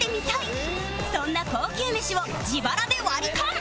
そんな高級飯を自腹でワリカン